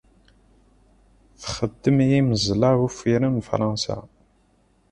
Txeddem i imeẓla uffiren n Fransa.